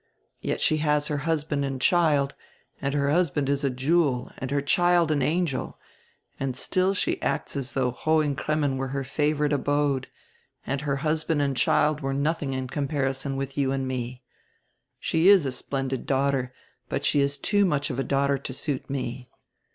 Yet she has her husband and child, and her hus band is a jewel and her child an angel, and still she acts as though Hohen Cremmen were her favorite abode, and her husband and child were nothing in comparison with you and me. She is a splendid daughter, but she is too much of a daughter to suit me.